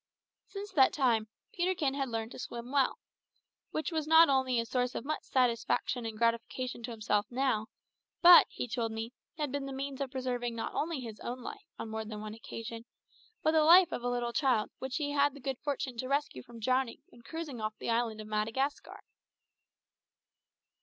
Since that time Peterkin had learned to swim well, which was not only a source of much satisfaction and gratification to himself now, but, he told me, had been the means of preserving not only his own life on more than one occasion, but the life of a little child which he had the good fortune to rescue from drowning when cruising off the island of Madagascar.